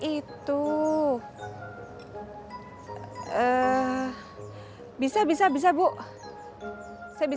itu biasa seperti